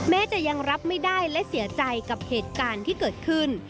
แม้จะยังรับไม่ได้และเสียใจกับเหตุการณ์ที่เกิดขึ้น